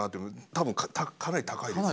多分かなり高いですよね。